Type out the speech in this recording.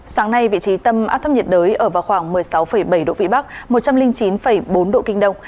sáng nay vị trí tâm áp thấp nhiệt đới ở vào khoảng một mươi sáu bảy độ vĩ bắc một trăm linh chín bốn độ kinh đông